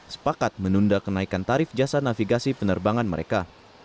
sepakat menunda kenaikan tarif jasa navigasi penerbangan mereka